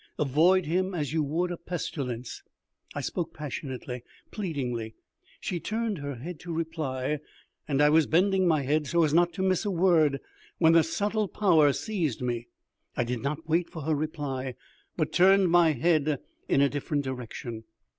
Avoid him as you would a pestilence." I spoke passionately, pleadingly. She turned her head to reply, and I was bending my head so as not to miss a word when a subtle power seized me. I did not wait for her reply, but turned my head in a different direction.